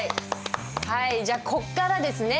じゃあこっからですね。